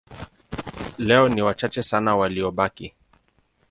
Leo ni wachache sana waliobaki.